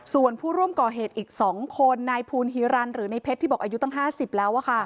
ส่วนผู้ร่วมก่อเหตุอีก๒คนนายภูลฮีรันหรือในเพชรที่บอกอายุตั้ง๕๐แล้ว